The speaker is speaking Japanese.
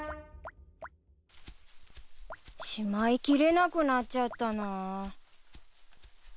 しまいきれなくなっちゃったな。